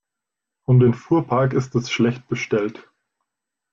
Um den Fuhrpark ist es schlecht bestellt.